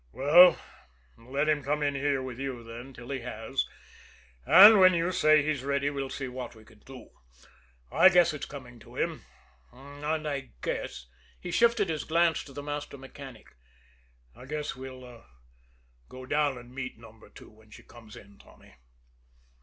"Well, let him come in here with you, then, till he has; and when you say he's ready, we'll see what we can do. I guess it's coming to him; and I guess" he shifted his glance to the master mechanic "I guess we'll go down and meet Number Two when she comes in, Tommy."